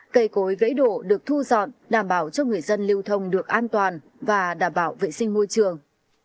cây cối gãy đổ được thu dọn đảm bảo cho người dân lưu thông được an toàn và đảm bảo vệ sinh môi trường